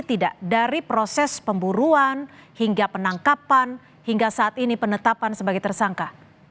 tidak dari proses pemburuan hingga penangkapan hingga saat ini penetapan sebagai tersangka